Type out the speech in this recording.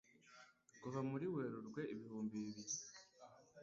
Kuva muri Werurwe ibihumbi bibiri